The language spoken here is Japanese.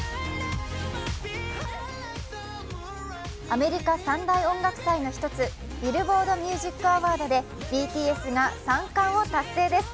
アメリカ３大音楽祭の１つ、ビルボード・ミュージック・アワードでＢＴＳが３冠を達成です。